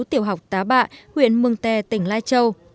tiểu học tá bạ huyện mừng tè tỉnh lai châu